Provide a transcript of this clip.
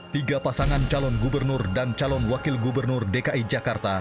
tiga pasangan calon gubernur dan calon wakil gubernur dki jakarta